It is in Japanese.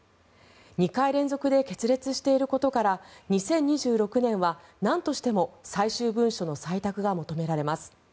２回連続で決裂していることから２０２６年はなんとしても最終文書の採択が求められます。